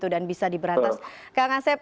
dan bisa diberatas kak kasep